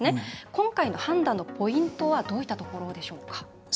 今回の判断のポイントはどういったところでしょうか？